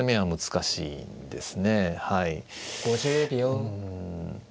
うん。